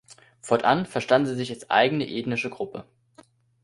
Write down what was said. Fortan verstanden sie sich als eigene ethnische Gruppe.